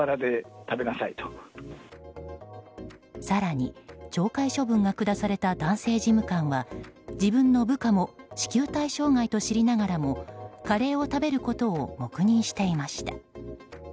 更に、懲戒処分が下された男性事務官は自分の部下も支給対象外と知りながらもカレーを食べることを黙認していました。